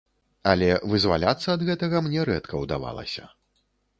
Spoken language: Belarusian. Але вызваляцца ад гэтага мне рэдка ўдавалася.